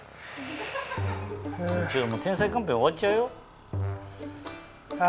『天才‼カンパニー』終わっちゃうよ？